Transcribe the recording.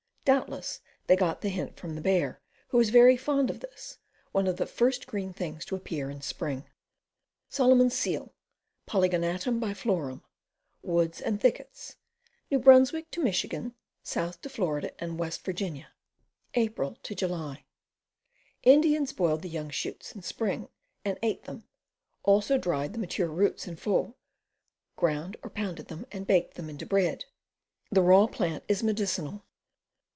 Doubtless they got the hint from the bear, who is very fond of this, one of the first green things to appear in spring. Solomon's Seal. Polygonatum biflorum. Woods and thickets. New Brunsw. to Mich., south to Fla. and W. Va. April July. Indians boiled the young shoots in spring and ate them; also dried the mature roots in fall, ground or pounded them, and baked them into bread. The raw plant is medicinal.